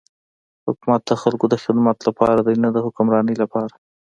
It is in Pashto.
حکومت د خلکو د خدمت لپاره دی نه د حکمرانی لپاره.